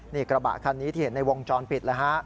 นี่กระบะคันนี้ที่เห็นในวงจรปิดแล้วฮะ